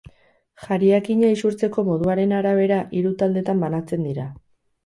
Jariakina isurtzeko moduaren arabera, hiru taldetan banatzen dira.